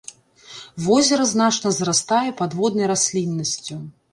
Возера значна зарастае падводнай расліннасцю.